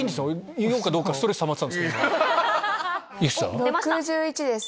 言おうかどうかストレスたまってたんです今。